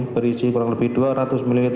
berisi kurang lebih dua ratus ml